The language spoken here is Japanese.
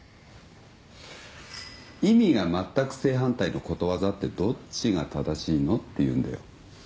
「意味が全く正反対のことわざってどっちが正しいの」って言うんだよ。